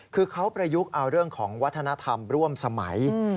คือเขาประยุกต์เอาเรื่องของวัฒนธรรมร่วมสมัย